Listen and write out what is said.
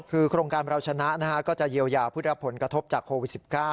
คือโครงการเราชนะก็จะเยียวยาผู้รับผลกระทบจากโควิด๑๙